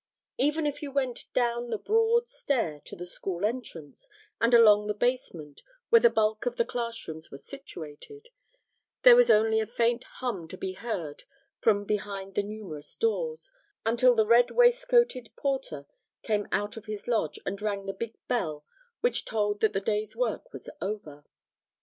Even if you went down the broad stair to the school entrance and along the basement, where the bulk of the class rooms was situated, there was only a faint hum to be heard from behind the numerous doors until the red waistcoated porter came out of his lodge and rang the big bell which told that the day's work was over.